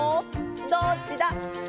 どっちだ？